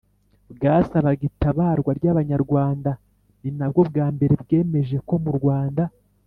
bwasabaga itabarwa ry' abanyarwanda ni nabwo bwa mbere bwemeje ko mu rwanda